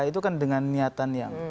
itu kan dengan niatan yang